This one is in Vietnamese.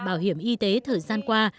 bảo hiểm y tế thời gian qua